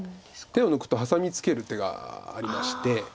手を抜くとハサミツケる手がありまして。